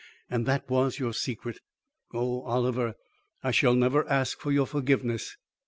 And that was your secret! Oh, Oliver, I shall never ask for your forgiveness.